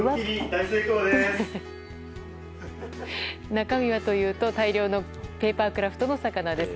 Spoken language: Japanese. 中身はというと大量のペーパークラフトの魚です。